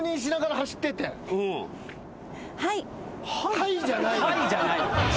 「はい」じゃない。